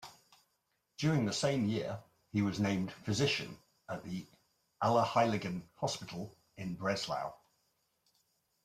During the same year he was named physician at the Allerheiligen Hospital in Breslau.